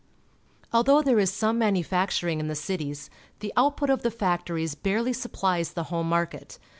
Although there is some manufacturing in the cities, the output of the factories barely supplies the home market.